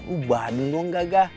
uh badeng dong kagah